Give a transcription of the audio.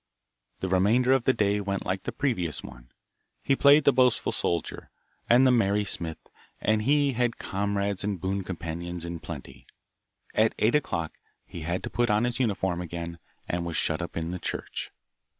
The remainder of the day went like the previous one. He played the boastful soldier, and the merry smith, and he had comrades and boon companions in plenty. At eight o'clock he had to put on his uniform again, and was shut up in the church.